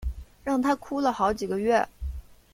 让她哭了好几个月